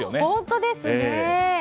本当ですね。